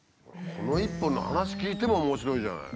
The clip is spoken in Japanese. この一本の話聞いても面白いじゃない。